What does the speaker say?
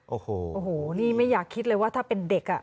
โอ้โหนี่ไม่อยากคิดเลยว่าถ้าเป็นเด็ก